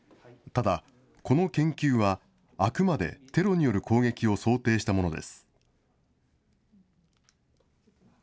ただ、この研究は、あくまでテロによる攻撃を想定したものです。